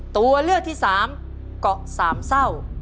ตัวเลือกที่สามเกาะสามเศร้า